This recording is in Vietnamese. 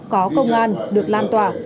có công an được lan tỏa